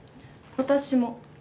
私も。